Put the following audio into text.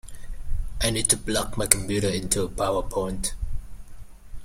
I need to plug my computer into a power point